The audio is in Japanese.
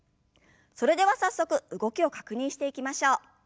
それでは早速動きを確認していきましょう。